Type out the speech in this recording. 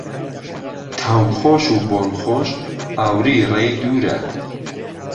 تامخؤش و بۆنخوش ئاوری ڕێی دووره